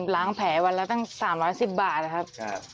ล้างแผลวันละตั้ง๓๑๐บาทครับ